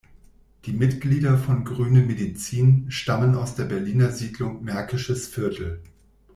Die Mitglieder von Grüne Medizin stammen aus der Berliner Siedlung Märkisches Viertel.